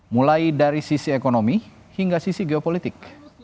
mulai dari sisi ekonomi hingga sisi geopolitik